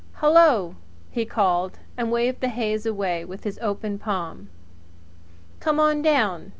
"Hello!" he called, and waved the haze away with his open palm. "Come on down!